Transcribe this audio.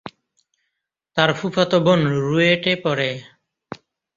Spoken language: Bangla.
তার ফুফাতো বোন রুয়েটে পড়ে।